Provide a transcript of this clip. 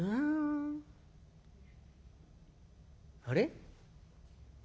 あれ？